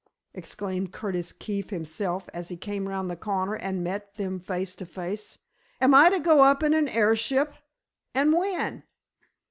exclaimed Curtis Keefe himself, as he came round the corner and met them face to face. "Am I to go up in an airship? And when?"